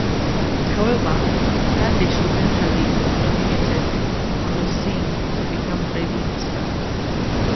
However, Gandhi eventually nominated Manmohan Singh to become Prime Minister.